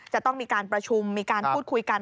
จะต้องมีการประชุมมีการพูดคุยกัน